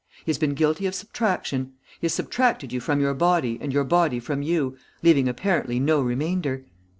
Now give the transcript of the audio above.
He has been guilty of subtraction. He has subtracted you from your body and your body from you, leaving apparently no remainder.